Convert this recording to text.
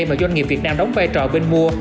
mà doanh nghiệp việt nam đóng vai trò bên mua